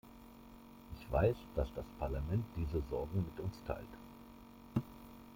Ich weiß, dass das Parlament diese Sorgen mit uns teilt.